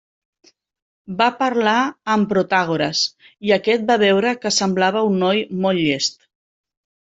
Va parlar amb Protàgores, i aquest va veure que semblava un noi molt llest.